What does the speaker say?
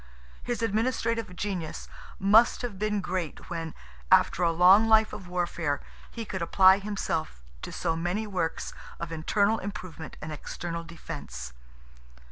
His administrative genius must have been great when, after a long life of warfare, he could apply himself to so many works of internal improvement and external defence.